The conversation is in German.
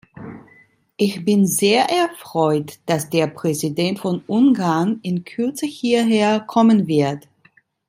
Ich bin sehr erfreut, dass der Präsident von Ungarn in Kürze hierher kommen wird.